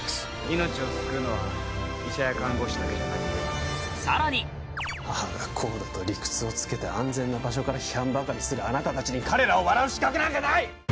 命を救うのは医者や看護師だけじゃないんで更にああだこうだと理屈をつけて安全な場所から批判ばかりするあなた達に彼らを笑う資格なんかない！